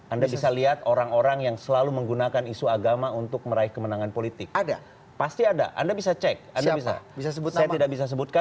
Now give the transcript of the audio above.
anda bisa lihat orang orang yang selalu menggunakan isu agama untuk meraih kemenangan politik